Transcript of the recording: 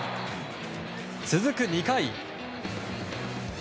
続く２回。